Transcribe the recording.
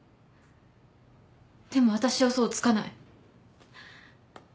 でも私はうそをつかない。